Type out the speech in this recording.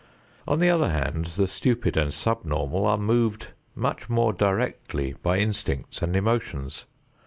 On the other hand, the stupid and subnormal are moved much more directly by instincts and emotions.